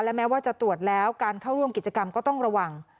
แม้ว่าจะตรวจแล้วการเข้าร่วมกิจกรรมก็ต้องระวัง